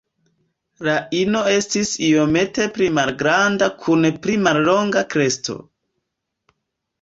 La ino estis iomete pli malgranda kun pli mallonga kresto.